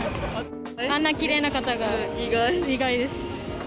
あんなきれいな方が、意外、意外です。